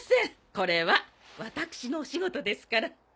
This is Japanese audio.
これは私のお仕事ですから。